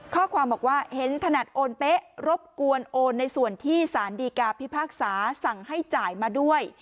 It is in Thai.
ข้อความบอกว่าเห็นถนัดโอนเป๊ะรบกวนโอนในส่วนที่สารดีกาพิพากษาสั่งให้จ่ายมาด้วย